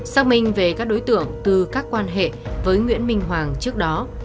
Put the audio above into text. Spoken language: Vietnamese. xác minh về các đối tượng từ các quan hệ với nguyễn minh hoàng trước đó